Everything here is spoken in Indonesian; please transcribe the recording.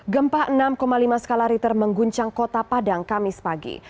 gempa enam lima skala riter mengguncang kota padang kamis pagi